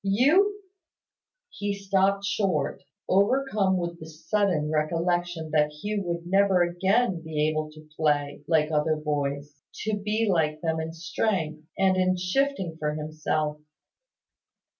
You " He stopped short, overcome with the sudden recollection that Hugh would never again be able to play like other boys, to be like them in strength, and in shifting for himself.